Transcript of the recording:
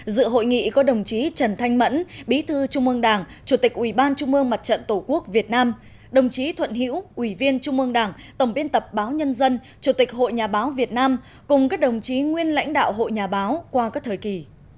dự hội nghị có đồng chí trần thanh mẫn bí thư trung mương đảng chủ tịch ubnd tổ quốc việt nam đồng chí thuận hữu ubnd tổng biên tập báo nhân dân chủ tịch hội nhà báo việt nam cùng các đồng chí nguyên lãnh đạo hội nhà báo qua các thời kỳ